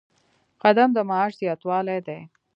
قدم د معاش زیاتوالی دی